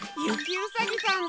うさぎさんだ！